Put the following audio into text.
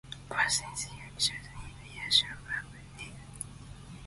But, since you chose him, you shall have neither.